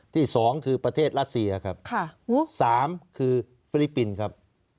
ที่๒คือประเทศรัสเซียครับ๓คือฟิลิปปินส์ครับ